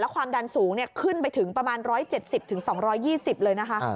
ความดันสูงขึ้นไปถึงประมาณ๑๗๐๒๒๐เลยนะคะ